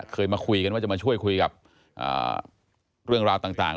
เคยมาคุยกันว่าจะมาช่วยคุยกับเรื่องราวต่าง